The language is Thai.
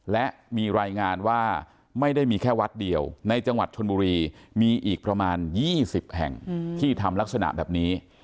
และมีรายงานว่าไม่ได้มีแค่วัดเดียวในจังหวัดชนบุรีมีอีกประมาณ๒๐แห่งที่ทำลักษณะแบบนี้